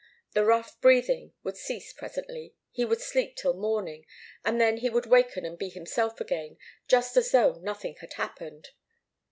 The rough breathing would cease presently, he would sleep till morning, and then he would waken and be himself again, just as though nothing had happened.